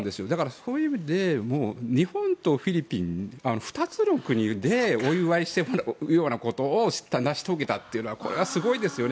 そういう意味では日本とフィリピン、２つの国でお祝いするようなことを成し遂げたのはすごいですよね。